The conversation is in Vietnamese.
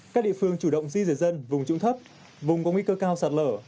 các địa phương chủ động di rời dân vùng trụng thấp vùng có nguy cơ cao sạt lở